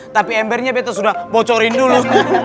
tapi embernya besok sudah bocorin dulu